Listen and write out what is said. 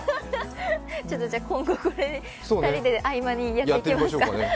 今後これで、２人に合間でやっていきますか。